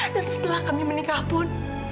dan setelah kami menikah pun